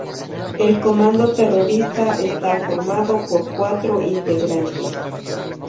El comando terrorista está formado por cuatro integrantes.